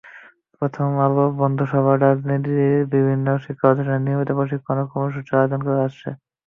প্রথম আলো বন্ধুসভা রাজধানীর বিভিন্ন শিক্ষাপ্রতিষ্ঠানে নিয়মিত প্রশিক্ষণ কর্মসূচির আয়োজন করে আসছে।